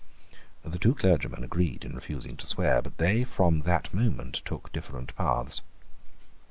The two clergymen agreed in refusing to swear: but they, from that moment, took different paths.